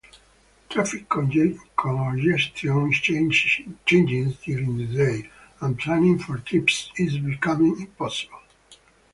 Traffic congestion changes during the day, and planning for trips is becoming impossible.